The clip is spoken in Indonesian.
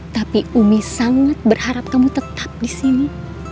tapi umi sangat berharap kamu tetap disini